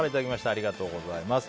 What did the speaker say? ありがとうございます。